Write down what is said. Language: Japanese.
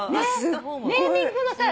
ネーミングのさ。